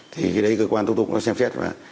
thì cái đấy cơ quan tục tục nó xem xét